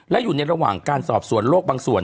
และอยู่ในระหว่างการสอบสวนโลกบางส่วน